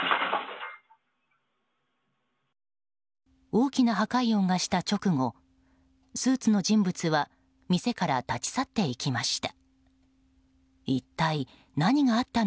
大きな破壊音がした直後スーツの人物は店から立ち去っていきました。